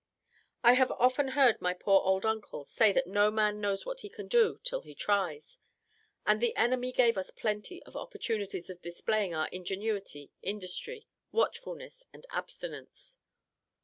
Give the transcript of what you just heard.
I have often heard my poor old uncle say that no man knows what he can do till he tries; and the enemy gave us plenty of opportunities of displaying our ingenuity, industry, watchfulness, and abstinence.